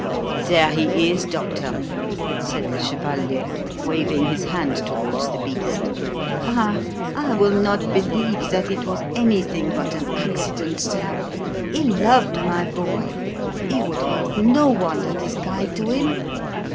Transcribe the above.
"There he is, doctor," said the chevalier, waving his hand towards the beast. "Ah, I will not believe that it was anything but an accident, sir. He loved my boy. He would hurt no one that is kind to him.